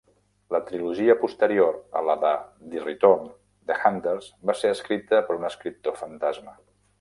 La trilogia posterior a la de "The Return", "The Hunters" va se escrita per un escriptor fantasma.